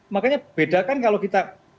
makanya bedakan kalau kita